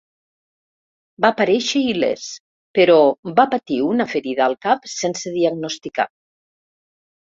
Va aparèixer il·lès, però va patir una ferida al cap sense diagnosticar.